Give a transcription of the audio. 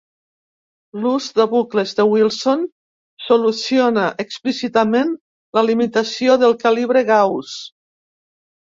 L'ús de bucles de Wilson soluciona explícitament la limitació del calibre Gauss.